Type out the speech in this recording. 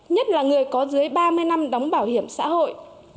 nhất là người có dưới ba mươi năm đóng bảo hiểm xã hội